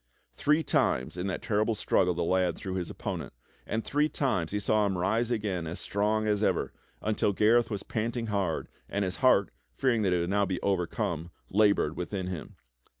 Three times in that terrible struggle the lad threw his opponent, and three times he saw him rise again as strong as ever until Gareth was panting hard, and his heart, fearing that he w^ould now be over come, labored wdthin him.